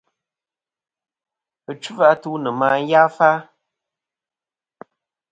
Ɨchu-atu nɨ̀ màyafa.